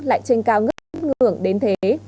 lại trên cao ngất ngưỡng đến thế